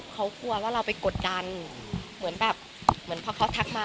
เขากลัวว่าเราไปกดดันเหมือนแบบเหมือนพอเขาทักมา